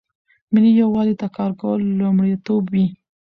ملي یووالي ته کار کول لومړیتوب وي.